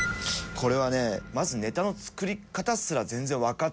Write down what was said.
これはねまずネタの作り方すら全然わかっていない芸人が。